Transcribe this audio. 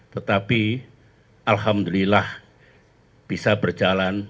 tetapi alhamdulillah bisa berjalan